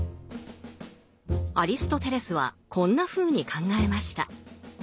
アリストテレスはこんなふうに考えました。